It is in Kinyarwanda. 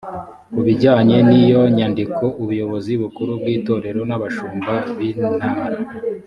ku bijyanye n iyo nyandiko ubuyobozi bukuru bw itorero n abashumba b intara